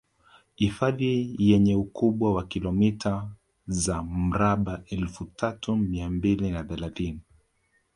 hifadhi yenye ukubwa wa kilomita za mraba elfu tatu mia mbili na thelathini